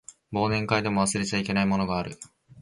忘年会でも忘れちゃいけないものがある